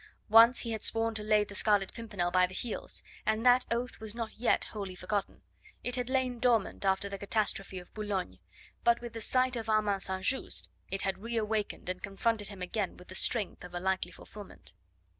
Once he had sworn to lay the Scarlet Pimpernel by the heels, and that oath was not yet wholly forgotten; it had lain dormant after the catastrophe of Boulogne, but with the sight of Armand St. Just it had re awakened and confronted him again with the strength of a likely fulfilment.